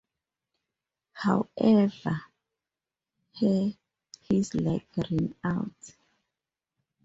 However, here his luck ran out.